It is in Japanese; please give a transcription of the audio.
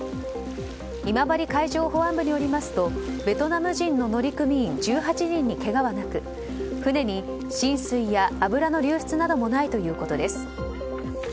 今治海上保安部によりますとベトナム人の乗組員１８人にけがはなく、船に浸水や油の流出などもないということです。